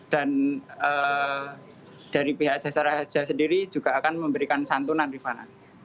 dan dari pihak jasara harja sendiri juga akan memberikan santunan